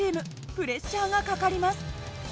プレッシャーがかかります。